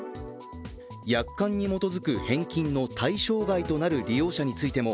約款に基づく返金の対象外となる利用者についても